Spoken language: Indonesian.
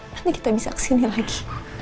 nanti kita bisa kesini lagi